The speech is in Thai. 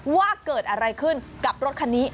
ว่าเกิดอะไรขึ้นกับรถคันนี้